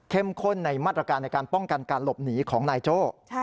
ข้นในมาตรการในการป้องกันการหลบหนีของนายโจ้